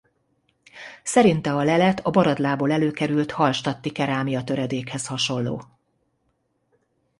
Szerinte a lelet a Baradlából előkerült hallstatti kerámia töredékhez hasonló.